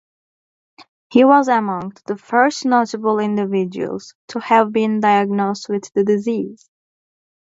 He was among the first notable individuals to have been diagnosed with the disease.